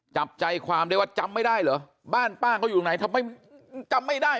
จับใจความได้ว่าจำไม่ได้เหรอบ้านป้าเขาอยู่ตรงไหนทำไมจำไม่ได้